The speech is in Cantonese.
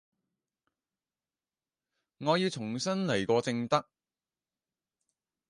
我要重新來過正得